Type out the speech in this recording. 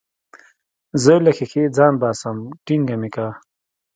زه له ښيښې ځان باسم ټينګه مې که.